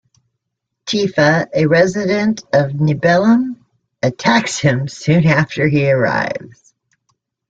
Tifa, a resident of Nibelheim, attacks him soon after he arrives.